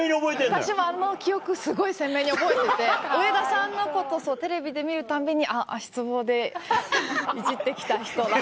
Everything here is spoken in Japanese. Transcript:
私もあの記憶すごい鮮明に覚えてて上田さんのことテレビで見るたんびにあっ足ツボでいじって来た人だ。